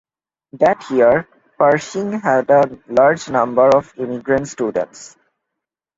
That year, Pershing had a large number of immigrant students.